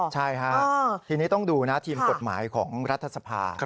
ใช่ครับทีนี้ต้องดูทีมกฎหมายของรัฐธรรพา